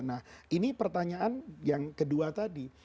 nah ini pertanyaan yang kedua tadi